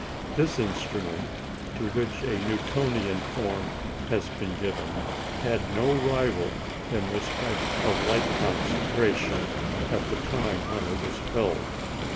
This instrument, to which a Newtonian form has been given, had no rival in respect of light concentration at the time when it was built.